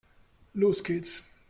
Los geht's!